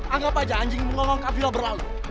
anggap aja anjing lu ngomong kabilah berlalu